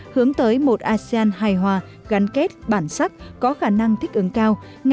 hướng tới một asean hài hòa gắn kết bản sắc có khả năng thích ứng cao